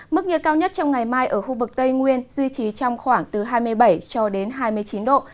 mức nhiệt cao nhất trong ngày mai ở khu vực tây nguyên duy trì trong khoảng từ hai mươi bảy cho đến hai mươi chín độ